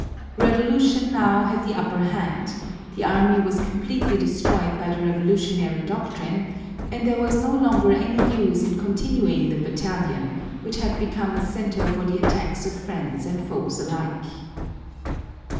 Revolution now had the upper hand, the army was completely destroyed by the revolutionary doctrine and there was no longer any use in continuing the Battalion, which had become a center for the attacks of friends and foes alike.